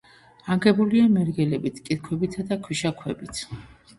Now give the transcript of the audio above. აგებულია მერგელებით, კირქვებითა და ქვიშაქვებით.